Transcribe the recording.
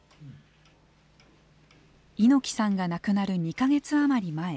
猪木さんが亡くなる２か月あまり前。